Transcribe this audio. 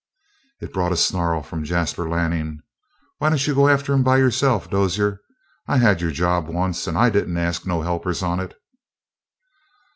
It brought a snarl from Jasper Lanning. "Why don't you go after him by yourself, Dozier? I had your job once and I didn't ask no helpers on it."